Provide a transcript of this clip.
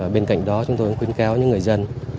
bên cạnh đó chúng tôi cũng khuyến cáo những người dân